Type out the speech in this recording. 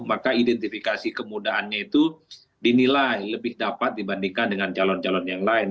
maka identifikasi kemudahannya itu dinilai lebih dapat dibandingkan dengan calon calon yang lain